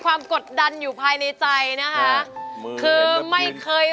ร้องได้ให้ด้าน